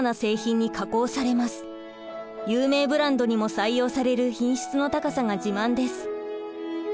有名ブランドにも採用される品質の高さが自慢です。